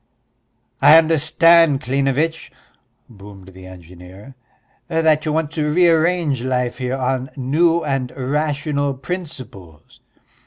"I understand, Klinevitch," boomed the engineer, "that you want to rearrange life here on new and rational principles."